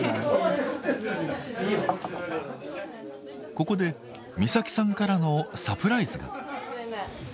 ここで美沙紀さんからのサプライズが。